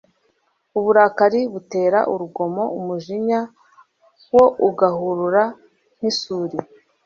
uburakari butera urugomo, umujinya wo ugahurura nk'isuri